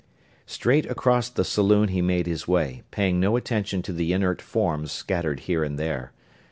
Straight across the saloon he made his way, paying no attention to the inert forms scattered here and there.